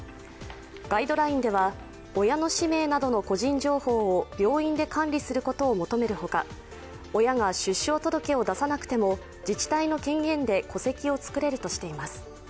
ガイドラインでは、親の氏名などの個人情報を病院で管理することを求めるほか親が出生届を出さなくても戸籍を作れるとしています。